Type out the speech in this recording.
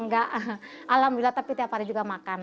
enggak alhamdulillah tapi tiap hari juga makan